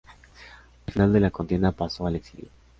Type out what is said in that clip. Al final de la contienda pasó al exilio.